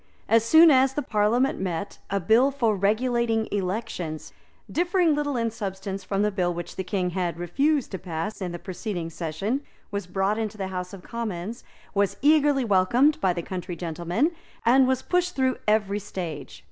As soon as the Parliament met, a Bill for Regulating Elections, differing little in substance from the bill which the King had refused to pass in the preceding session, was brought into the House of Commons, was eagerly welcomed by the country gentlemen, and was pushed through every stage.